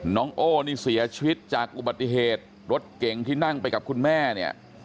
น้องโอ้นี่เสียชีวิตจากอุบัติเหตุรถเก่งที่นั่งไปกับคุณแม่เนี่ย